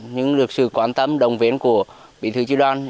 nhưng được sự quan tâm đồng viên của bị thư chi đoan